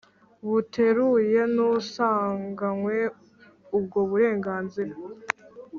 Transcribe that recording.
Buteruye n usanganywe ubwo burenganzira